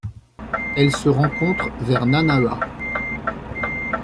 Elle se rencontre vers Nanahua.